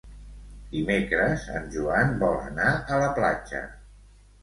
Dimecres en Joan vol anar a la platja.